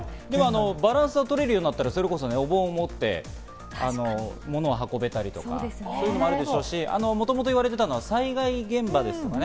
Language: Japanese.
バランスが取れるようになったら、お盆を持って物を運べたりそういうのもあるでしょうし、もともと言われていたのは災害現場ですね。